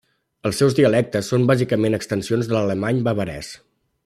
Els seus dialectes són bàsicament extensions de l'alemany bavarès.